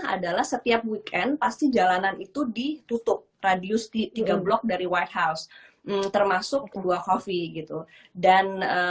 adalah setiap weekend pasti jalanan itu ditutup radius di tiga blok dari white house termasuk kedua coffee gitu dan